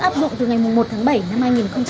áp dụng từ ngày một tháng bảy năm hai nghìn hai mươi